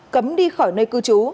cấm đi khỏi nơi cư trú